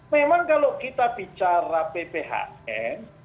memang kalau kita bicara pphn